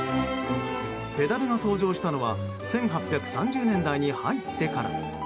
ペダルが登場したのは１８３０年代に入ってから。